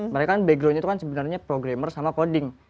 mereka kan background itu kan sebenarnya programmer sama coding